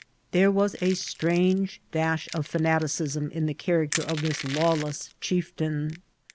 There was a strange dash of fenat icism in the character of tUs lawless chieftain.